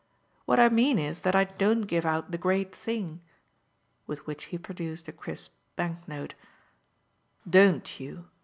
"What I mean is that I don't give out the great thing." With which he produced a crisp banknote. "DON'T you?"